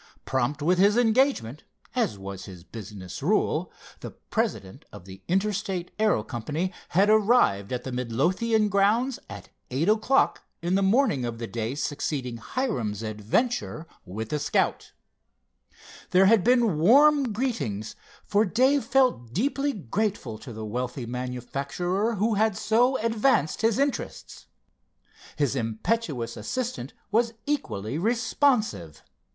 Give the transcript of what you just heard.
Prompt with his engagement, as was his business rule, the President of the Interstate Aero Company had arrived at the Midlothian grounds at eight o'clock in the morning, of the day succeeding Hiram's adventure with the Scout. There had been warm greetings, for Dave felt deeply grateful to the wealthy manufacturer who had so advanced his interests. His impetuous assistant was equally responsive.